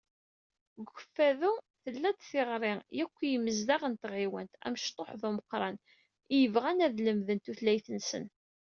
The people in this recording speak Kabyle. Deg Ukeffadu, tella-d tiɣri i yakk imezdaɣ n tɣiwant, amecṭuḥ d umeqqran, i yebɣan ad lemden tutlayt-nsen.